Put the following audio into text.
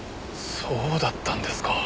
そうだったんですか。